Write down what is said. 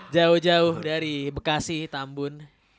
jauh jauh dari bekasi tambun